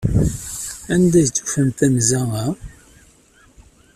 Anda ay d-tufamt anza-a?